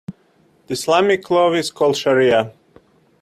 The Islamic law is called shariah.